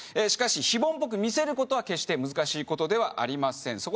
しかし非凡っぽく見せることは決して難しいことではありません